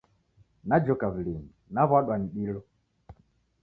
Najhoka w'ulinyi, naw'uadwa ni dilo